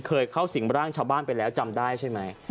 เคยเข้าสิ่งร่างชาวบ้านไปแล้วจำได้ใช่ไหม